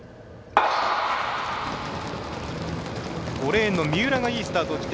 ５レーンの三浦、いいスタート。